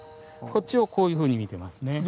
こっちをこういうふうに見てますね。